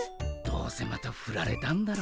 どうせまたふられたんだろ。